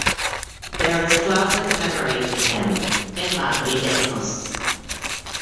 There is plaza commemorating him in Madridejos.